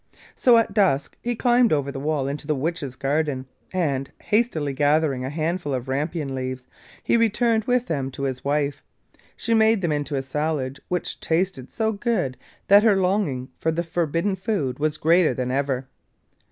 So at dusk he climbed over the wall into the witch's garden, and, hastily gathering a handful of rampion leaves, he returned with them to his wife. She made them into a salad, which tasted so good that her longing for the forbidden food was greater than ever.